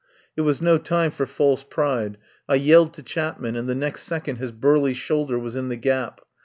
It was no time for false pride. I yelled to Chapman and the next second his burly shoulder was in the gap.